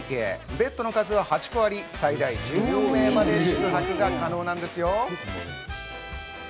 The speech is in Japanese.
ベッドの数は８個あり、最大１４名まで宿泊が可能なんですよ。